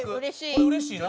「これうれしいな」